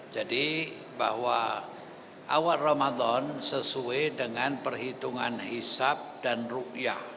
jadi bahwa awal ramadan sesuai dengan perhitungan hisab dan ruqyah